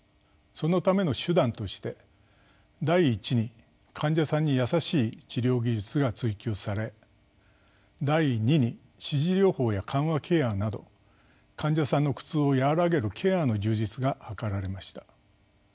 そのための手段として第一に患者さんに優しい治療技術が追求され第二に支持療法や緩和ケアなど患者さんの苦痛を和らげるケアの充実が図られました。